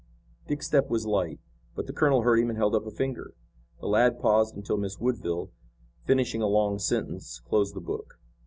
Dick's step was light, but the colonel heard him and held up a finger. The lad paused until Miss Woodville, finishing a long sentence, closed the book.